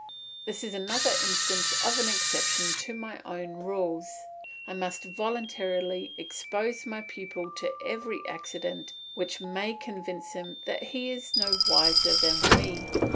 This is another instance of an exception to my own rules; I must voluntarily expose my pupil to every accident which may convince him that he is no wiser than we.